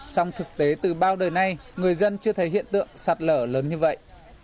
song thực tế từ bao đời nay người dân chưa thấy hiện tượng sạt lở lớn như vậy